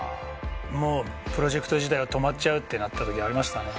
もうプロジェクト自体が止まっちゃうってなった時がありましたね。